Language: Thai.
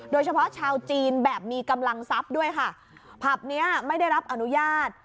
โดยเฉพาะชาวจีนแบบมีกำลังทรัพย์ด้วยค่ะผับเนี้ยไม่ได้รับอนุญาต